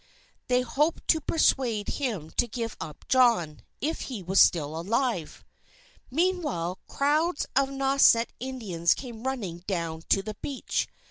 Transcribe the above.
They hoped to persuade him to give up John, if he was still alive. Meanwhile, crowds of Nauset Indians came running down to the beach.